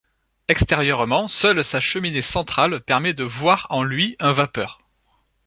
Extérieurement, seule sa cheminée centrale permet de voir en lui un vapeur.